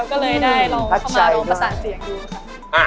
ก็เลยได้ลองเข้ามาดูประสานเสียงดูค่ะ